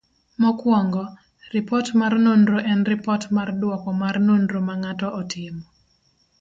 Mokuongo, ripot mar nonro en ripot mar duoko mar nonro ma ng'ato otimo.